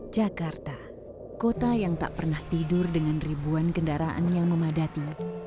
jakarta kota yang tak pernah tidur dengan ribuan kendaraan yang memadati